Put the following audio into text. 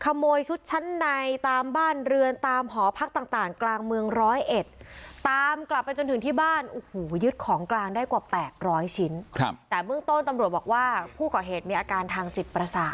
ขโมยชุดชั้นในตามบ้านเรือนตามหอพักต่างต่างกลางเมืองรอยเอ็ด